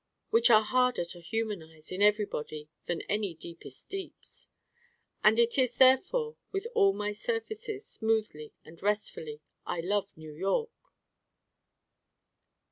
Which are harder to humanize, in everybody, than any deepest deeps. And it is therefore with all my surfaces, smoothly and restfully, I love New York.